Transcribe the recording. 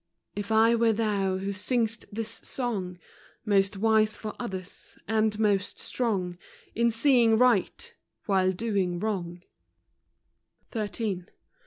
If I were thou who sing'st this song, Most wise for others, and most strong In seeing right, while doing wrong, 52 FROM QUEENS' GARDENS. XIII.